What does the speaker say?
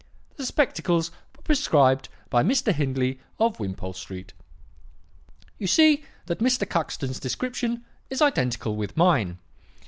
"'The spectacles were prescribed by Mr. Hindley of Wimpole Street.' "You see that Mr. Cuxton's description is identical with mine.